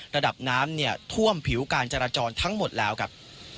ระดับน้ำเนี่ยท่วมผิวการจราจรทั้งหมดแล้วครับ